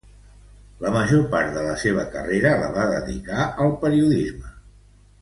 La major part de la seua carrera la va dedicar al periodisme.